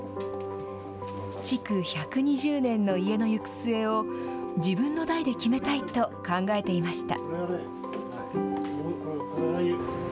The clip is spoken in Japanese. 築１２０年の家の行く末を自分の代で決めたいと考えていました。